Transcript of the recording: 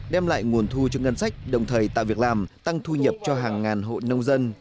đem lại nguồn thu cho ngân sách đồng thời tạo việc làm tăng thu nhập cho hàng ngàn hộ nông dân